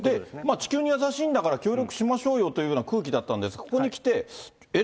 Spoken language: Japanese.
地球に優しいんだから、協力しましょうよというような空気だったんですが、ここにきて、えっ？